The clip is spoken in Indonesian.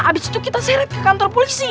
habis itu kita sirip ke kantor polisi